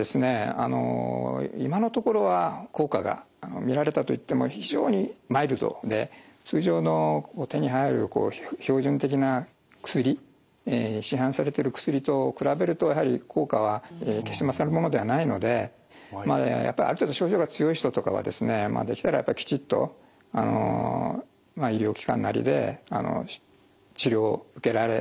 あの今のところは効果が見られたといっても非常にマイルドで通常の手に入る標準的な薬市販されてる薬と比べるとやはり効果は決して勝るものではないのでやっぱりある程度症状が強い人とかはですねまあできたらやっぱりきちっと医療機関なりで治療を受けられるのがやはりベストだと思います。